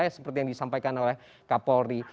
seperti yang disampaikan oleh kapolri